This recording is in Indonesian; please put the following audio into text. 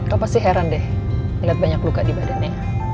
kamu pasti heran deh ngeliat banyak luka di badannya